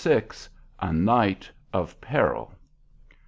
A NIGHT OF PERIL.